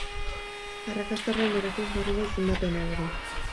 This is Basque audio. Arrakasta horren erakusgarri da izendapen hau ere.